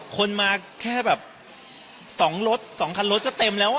คนมาแค่แบบ๒รถ๒คันรถก็เต็มแล้ว